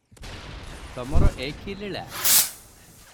ତମର ଏ କି ଲୀଳା?"